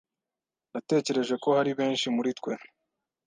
Natekereje ko hari benshi muri twe.